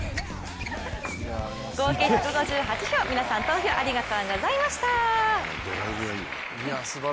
合計１５８票、皆さん投票ありがとうございました！